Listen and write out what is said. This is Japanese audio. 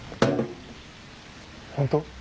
本当？